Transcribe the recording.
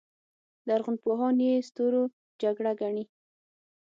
لرغونپوهان یې ستورو جګړه ګڼي